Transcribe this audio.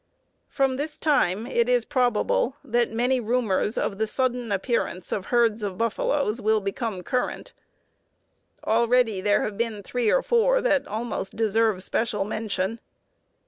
From this time it is probable that many rumors of the sudden appearance of herds of buffaloes will become current. Already there have been three or four that almost deserve special mention.